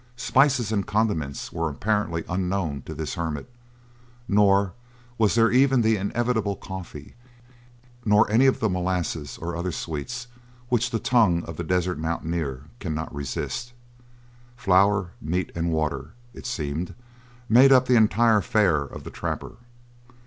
Spices and condiments were apparently unknown to this hermit; nor was there even the inevitable coffee, nor any of the molasses or other sweets which the tongue of the desert mountainer cannot resist. Flour, meat, and water, it seemed, made up the entire fare of the trapper.